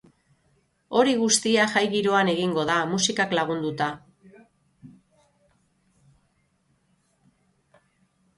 Hori guztia jai-giroan egingo da, musikak lagunduta.